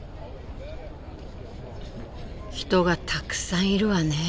人がたくさんいるわね。